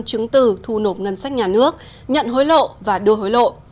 chứng từ thu nộp ngân sách nhà nước nhận hối lộ và đưa hối lộ